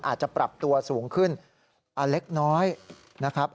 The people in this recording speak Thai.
อาจจะปรับตัวสูงขึ้นเล็กน้อยนะครับ